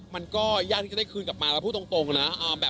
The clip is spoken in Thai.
มันก็ญาติก็ได้คืนกลับมาแล้วพูดตรงนะ